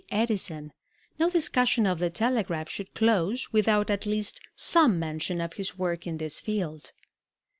Edison, no discussion of the telegraph should close without at least some mention of his work in this field.